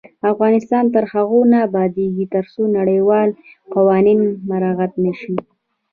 افغانستان تر هغو نه ابادیږي، ترڅو نړیوال قوانین مراعت نشي.